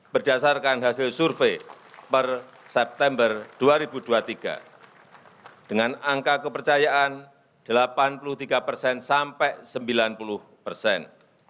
berdasarkan hasil survei per september dua ribu dua puluh tiga dengan angka kepercayaan delapan puluh tiga persen sampai sembilan puluh persen